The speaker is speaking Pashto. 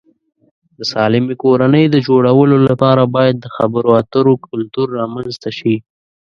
د سالمې کورنۍ د جوړولو لپاره باید د خبرو اترو کلتور رامنځته شي.